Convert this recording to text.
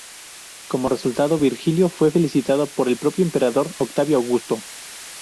Como resultado, Virgilio fue felicitado por el propio emperador, Octavio Augusto.